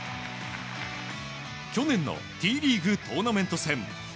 去年のＴリーグトーナメント戦。